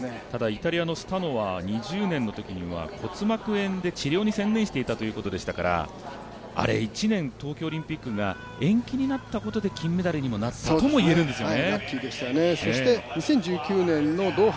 イタリアのスタノは２０年のときは骨膜炎で治療に専念していたということでしたから１年、東京オリンピックが延期になったことで、金メダルになったともいえるんですよね。